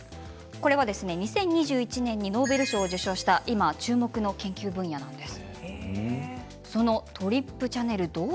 ２０２１年にノーベル賞を受賞した今、注目の研究分野なんです。